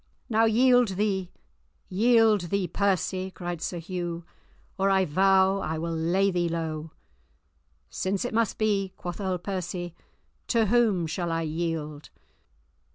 "Now, yield thee, yield thee, Percy," cried Sir Hugh, "or I vow I will lay thee low!" "Since it must be so," quoth Earl Percy, "to whom shall I yield?"